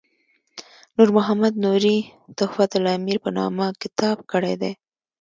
نور محمد نوري تحفة الامیر په نامه کتاب کړی دی.